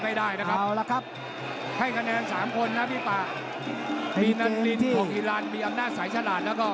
มีนัสลินเปล่าอีรานมีอำนาจสายสลานแล้วก็